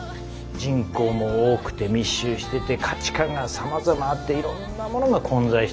人口も多くて密集してて価値観がさまざまあっていろんなものが混在してる。